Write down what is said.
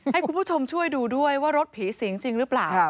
ให้คุณผู้ชมช่วยดูด้วยว่ารถผีสิงจริงหรือเปล่า